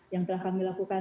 yang telah kami lakukan